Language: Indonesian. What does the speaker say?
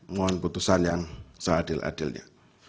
mohon putusan yang seadil adilnya